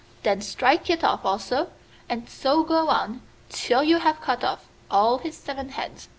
Then strike it off also, and so go on till you have cut off all his seven heads.